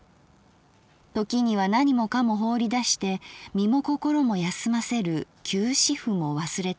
ときには何もかも放り出して身も心も休ませる休止符も忘れてはいけない。